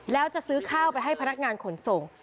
แล้วจะซื้อข้าวไปให้พนักงานขนส่ง